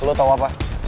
lo tau apa